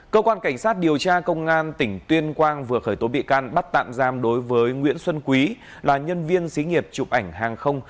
cơ quan cảnh sát điều tra công an tỉnh tuyên quang vừa khởi tố bị can bắt tạm giam đối với nguyễn xuân quý là nhân viên xí nghiệp chụp ảnh hàng không